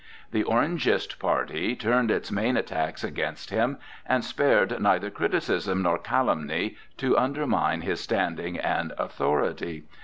The Orangist party turned its main attacks against him, and spared neither criticism nor calumny to undermine his standing and authority.